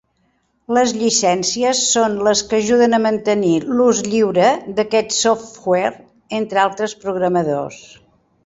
Les llicències són les que ajuden a mantenir l'ús lliure d'aquest software entre altres programadors.